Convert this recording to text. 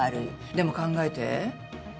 でも考えて。